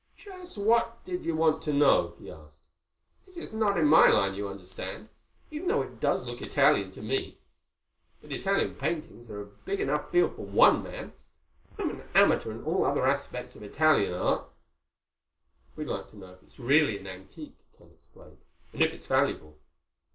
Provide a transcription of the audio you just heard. "Just what did you want to know?" he asked. "This is not in my line, you understand—even though it does look Italian to me. But Italian paintings are a big enough field for one man. I am an amateur in all other aspects of Italian art." "We'd like to know if it's really an antique," Ken explained, "and if it's valuable.